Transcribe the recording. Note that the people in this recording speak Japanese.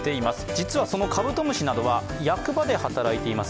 実はそのカブトムシなどは役場で働いています